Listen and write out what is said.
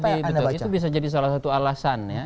itu bisa jadi salah satu alasan ya